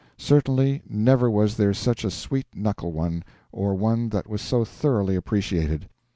Certainly, never was there such a sweet knuckle one, or one that was so thoroughly appreciated....